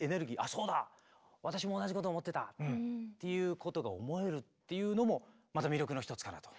「そうだ私も同じこと思ってた」っていうことが思えるっていうのもまた魅力の一つかなと。